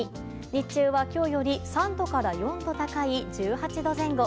日中は今日より３度から４度高い１８度前後。